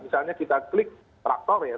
misalnya kita klik traktor ya